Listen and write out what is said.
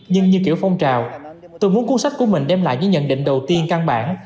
nhưng như kiểu phong trào tôi muốn cuốn sách của mình đem lại những nhận định đầu tiên căn bản